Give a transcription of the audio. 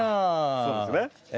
そうですね。